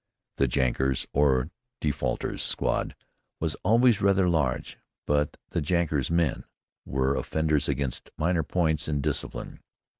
The "jankers" or defaulters' squad was always rather large; but the "jankers men" were offenders against minor points in discipline.